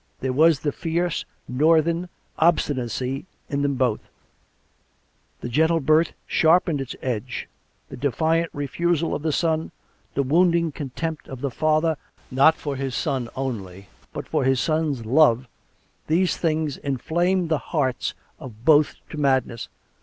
There was the fierce northern obstinacy in them both ; the gentle birth sharpened its edge ; the defiant refusal of the son, the wounding contempt of the father not for his son only, but for his son's love — these things inflamed the hearts of both to madness.